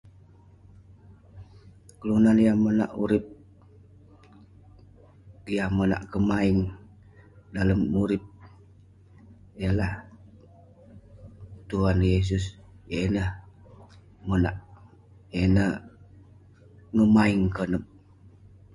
kelunan yah monak urip yah monak kemaeng dalem urip ialah tuhan yesus, yah ineh monak yah ineh ngemaeng konep